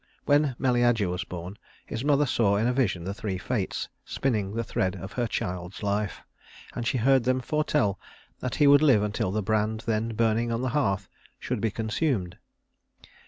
When Meleager was born, his mother saw in a vision the three Fates spinning the thread of her child's life; and she heard them foretell that he would live until the brand then burning on the hearth should be consumed.